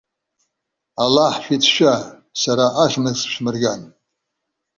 Аллаҳ шәицәшәа, сара ахьымӡӷ сышәмырган!